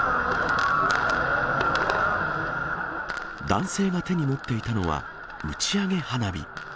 男性が手に持っていたのは、打ち上げ花火。